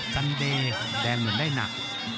กันดีแดงเหมือนได้หนัก